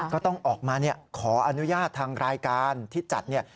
ก็ต้องออกมาขออนุญาตทางรายการที่จัดเนี่ย